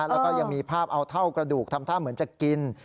แล้วก็ยังมีภาพเอาเท่ากระดูกทำท่าเหมือนจะกิน